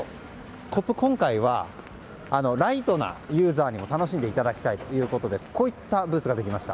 今回はライトなユーザーにも楽しんでいただきたいとこういったブースができました。